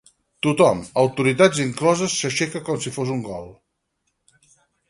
Tothom, autoritats incloses, s'aixeca com si fos un gol.